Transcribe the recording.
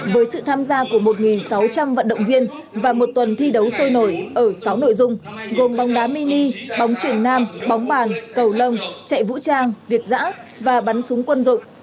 với sự tham gia của một sáu trăm linh vận động viên và một tuần thi đấu sôi nổi ở sáu nội dung gồm bóng đá mini bóng truyền nam bóng bàn cầu lông chạy vũ trang việt giã và bắn súng quân dụng